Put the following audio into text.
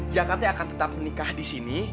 jakata akan tetap menikah di sini